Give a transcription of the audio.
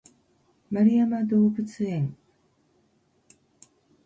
円山動物園